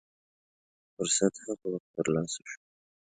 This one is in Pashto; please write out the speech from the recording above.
فرصت هغه وخت تر لاسه شو.